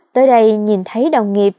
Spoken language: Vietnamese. tới đây nhìn thấy đồng nghiệp